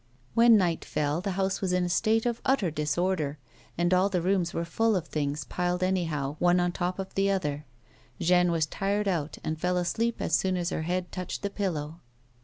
When night fell the house was in a state of utter disorder, and all the rooms were full of things piled anyhow one on top of the K 226 A WOMAX S LIFK. other. Jeanne was tired out and fell asleep as soon as her head touched the pillow.